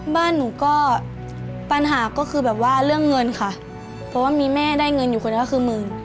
บ้านหนูก็ปัญหาก็คือแบบว่าเรื่องเงินค่ะเพราะว่ามีแม่ได้เงินอยู่คนก็คือหมื่น